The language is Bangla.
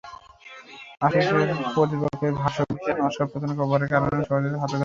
আসুসের কর্তৃপক্ষের ভাষ্য, বিশেষ নকশার পেছনের কভারের কারণে সহজে হাতে ধরা যায়।